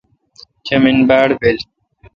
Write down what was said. چمین باڑبیل۔